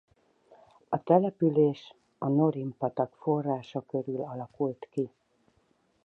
A település a Norin-patak forrása körül alakult ki.